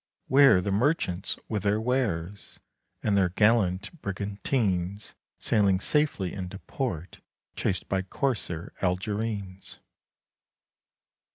Where the merchants with their wares, 45 And their gallant brigantines Sailing safely into port Chased by corsair Algerines?